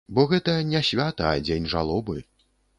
Бо гэта не свята, а дзень жалобы.